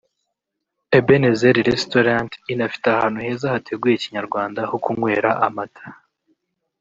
Ebenezer Restaurant inafite ahantu heza hateguye Kinyarwanda ho kunywera amata